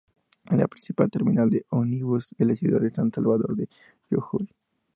Es la principal terminal de Ómnibus de la ciudad de San Salvador de Jujuy.